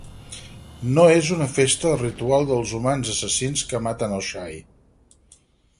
No es una festa el ritual dels humans assassins que matan el xai